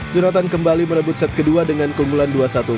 jonathan kembali merebut set kedua dengan keunggulan dua satu empat